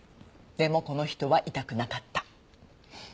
でもこの人は痛くなかった。